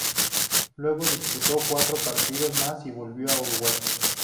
Luego disputó cuarto partidos más y volvió a Uruguay.